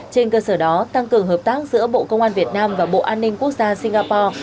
trên cơ sở đó tăng cường hợp tác giữa bộ công an việt nam và bộ an ninh quốc gia singapore